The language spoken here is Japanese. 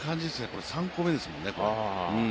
これ３個目ですもんね。